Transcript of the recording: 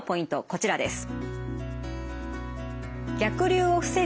こちらです。